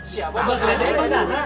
siapa bak ledek